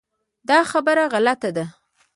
دا خبره غلطه ده .